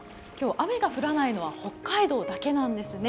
今日、雨が降らないのは北海道だけなんですね。